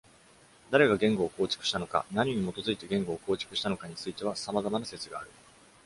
誰が言語を構築したのか、何に基づいて言語を構築したのかについては、さまざまな説がある。